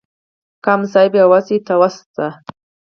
که ګاونډی بې وسه وي، ته وس شه